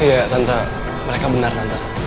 iya tante mereka bener tante